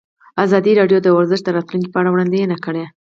ازادي راډیو د ورزش د راتلونکې په اړه وړاندوینې کړې.